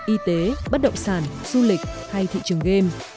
y tế bất động sản du lịch hay thị trường game